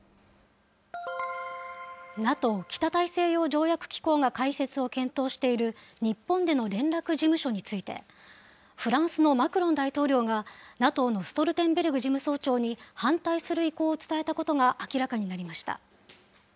ＮＡＴＯ・北大西洋条約機構が開設を検討している日本での連絡事務所について、フランスのマクロン大統領がＮＡＴＯのストルテンベルグ事務総長に反対する意向を伝えたことが明らかになりました。